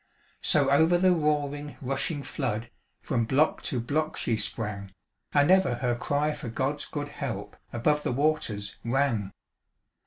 So over the roaring rushing flood, From block to block she sprang, And ever her cry for God's good help Above the waters rang.